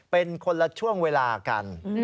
เป็นคนละช่วงเวลากัน